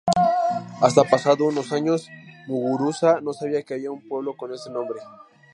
Hasta pasados unos años, Muguruza no sabía que había un pueblo con ese nombre.